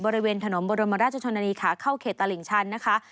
บริเวณถนนบรมราชชนนานีขาเข้าเขตตลิ่งชันนะคะ